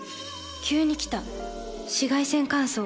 急に来た紫外線乾燥。